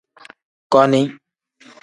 Koni.